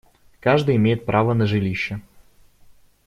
Каждый имеет право на жилище.